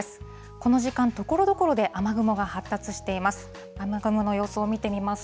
この時間、ところどころで雨雲が発達しています。